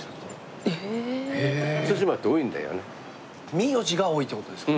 名字が多いって事ですか？